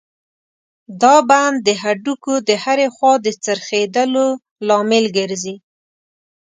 دا بند د هډوکو د هرې خوا د څرخېدلو لامل ګرځي.